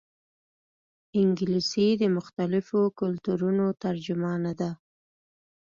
انګلیسي د مختلفو کلتورونو ترجمانه ده